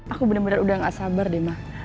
aku bener bener udah gak sabar deh mah